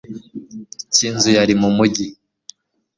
cy inzu yari mu mugi